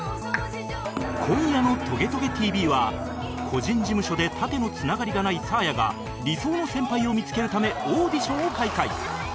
今夜の『トゲトゲ ＴＶ』は個人事務所で縦のつながりがないサーヤが理想の先輩を見付けるためオーディションを開催